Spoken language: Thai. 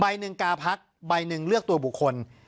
หนึ่งกาพักใบหนึ่งเลือกตัวบุคคล